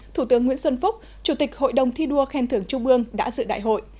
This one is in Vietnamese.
thủ tướng nguyễn xuân phúc chủ tịch hội đồng thi đua khen thưởng trung ương đã dự đại hội